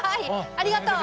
ありがとう！